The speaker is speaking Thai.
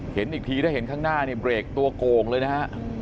เห็นอีกทีถ้าเห็นข้างหน้าเนี่ยเบรกตัวโก่งเลยนะฮะ